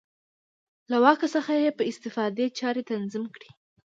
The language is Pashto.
له واک څخه یې په استفادې چارې تنظیم کړې.